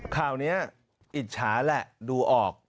ข่าวนี้อิจฉาแหละดูออก